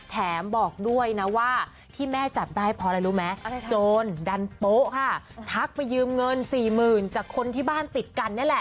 แถมบอกด้วยนะว่าที่แม่จับได้เพราะอะไรรู้ไหมโจรดันโป๊ะค่ะทักไปยืมเงินสี่หมื่นจากคนที่บ้านติดกันนี่แหละ